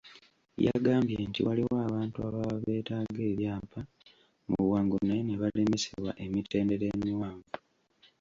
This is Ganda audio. Yagambye nti waliwo abantu ababa beetaaga ebyapa mu bwangu naye ne balemesebwa emitendera emiwanvu.